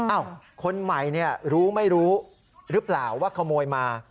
คนใหม่รู้ไม่รู้หรือเปล่าว่าขโมยมา